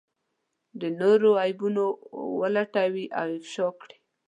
د نورو عيبونه ولټوي او افشا کړي.